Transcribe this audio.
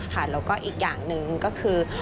แล้วก็อีกอย่างหนึ่งก็คือ